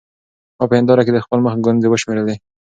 ما په هېنداره کې د خپل مخ ګونځې وشمېرلې.